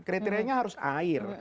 kriterianya harus air